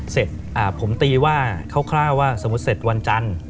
เสร็จผมตีว่าคร่าวว่าสมมุติเสร็จวันจันทร์